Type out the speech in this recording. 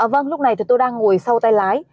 vâng lúc này thì tôi đang ngồi sau tay lái